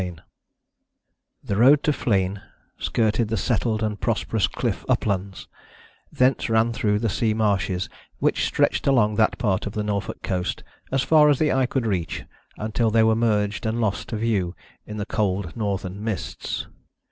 CHAPTER IV The road to Flegne skirted the settled and prosperous cliff uplands, thence ran through the sea marshes which stretched along that part of the Norfolk coast as far as the eye could reach until they were merged and lost to view in the cold northern mists.